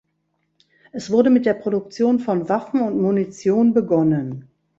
Es wurde mit der Produktion von Waffen und Munition begonnen.